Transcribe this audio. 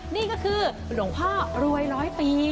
นี่ก็คือหลวงพ่อรวยร้อยปี